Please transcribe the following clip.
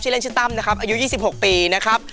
เล่นชื่อตั้มนะครับอายุ๒๖ปีนะครับ